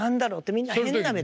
みんな変な目で。